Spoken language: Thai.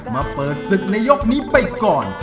มาเปิดศึกในยกนี้ไปก่อน